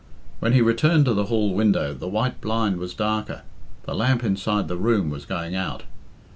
When he returned to the hall window, the white blind was darker. The lamp inside the room was going out.